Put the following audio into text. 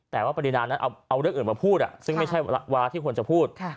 แต่ว่าปรินานั้นเอาเรื่องอื่นมาพูดซึ่งไม่ใช่วาระที่ควรจะพูด